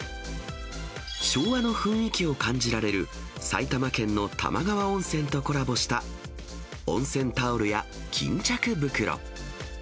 昭和の雰囲気を感じられる埼玉県の玉川温泉とコラボした、温泉タオルや巾着袋。